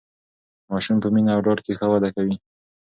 ماسوم په مینه او ډاډ کې ښه وده کوي.